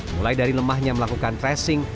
mulai dari lemahnya melakukan tracing